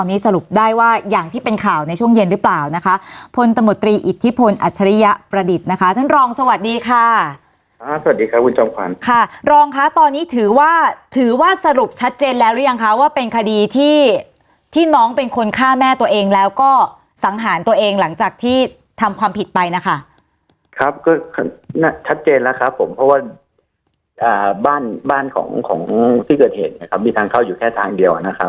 คุณอัชริยประดิษฐ์นะคะท่านรองสวัสดีค่ะอ่าสวัสดีค่ะคุณจำความค่ะรองค่ะตอนนี้ถือว่าถือว่าสรุปชัดเจนแล้วหรือยังคะว่าเป็นคดีที่ที่น้องเป็นคนฆ่าแม่ตัวเองแล้วก็สังหารตัวเองหลังจากที่ทำความผิดไปนะคะครับก็ชัดเจนแล้วครับผมเพราะว่าอ่าบ้านบ้านของของที่เกิดเห็นนะครับมีทางเข